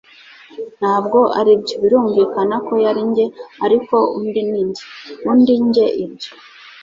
ntabwo aribyo. birumvikana ko yari njye, ariko undi ni njye. undi njye ibyo